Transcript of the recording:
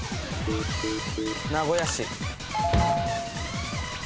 名古屋市。